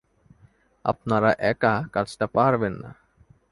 আপনারা একা কাজটা পারবেন না।